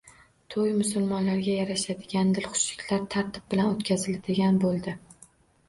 To'y musulmonga yarashadigan dilxushliklar, tartib bilan o'tkaziladigan bo'ldi.